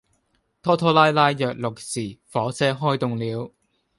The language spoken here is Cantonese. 拖拖拉拉約六時火車開動了